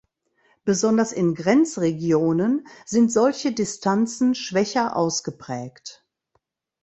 Besonders in Grenzregionen sind solche Distanzen schwächer ausgeprägt.